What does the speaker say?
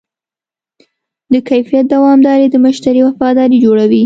د کیفیت دوامداري د مشتری وفاداري جوړوي.